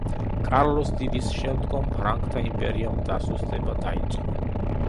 კარლოს დიდის შემდგომ, ფრანკთა იმპერიამ დასუსტება დაიწყო.